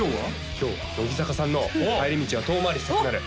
今日乃木坂さんの「帰り道は遠回りしたくなる」